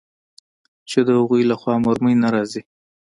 چې د هغوى له خوا مرمۍ نه راځي.